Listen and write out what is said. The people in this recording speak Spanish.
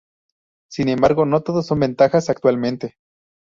Sin embargo, no todo son ventajas actualmente.